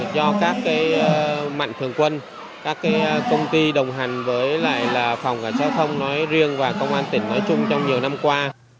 cho các mạnh thường quân các công ty đồng hành với phòng giao thông nói riêng và công an tỉnh nói chung trong nhiều năm qua